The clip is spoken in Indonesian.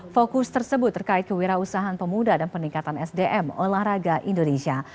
fokus tersebut terkait kewirausahaan pemuda dan peningkatan sdm olahraga indonesia